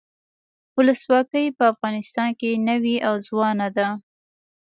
ولسواکي په افغانستان کې نوي او ځوانه ده.